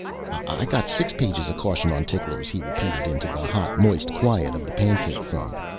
"I got six pages of caution on ticklers," he repeated into the hot, moist quiet of the pancake phone.